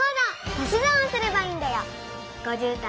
足し算をすればいいんだよ。